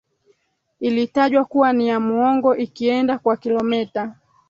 ilitajwa kuwa ni ya muongo ikienda kwa kilometa